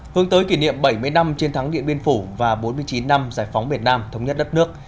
hướng tới kỷ niệm bảy mươi năm chiến thắng điện biên phủ và bốn mươi chín năm giải phóng việt nam thống nhất đất nước